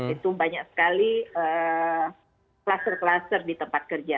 itu banyak sekali klaster klaster di tempat kerja